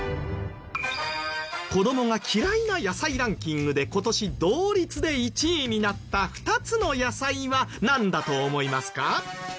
子どもが嫌いな野菜ランキングで今年同率で１位になった２つの野菜はなんだと思いますか？